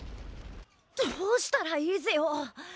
どうしたらいいぜよ。